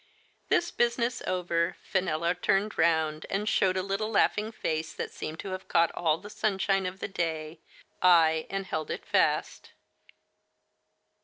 This business over, Fe nella turned round and showed a little laughing face that seemed to have caught all the sunshine of the day, aye, and held it fast.